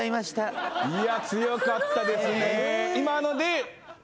いや強かったですね。